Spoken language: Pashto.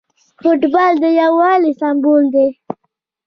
فوټبال د یووالي سمبول دی.